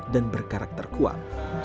dan berkarakter kuat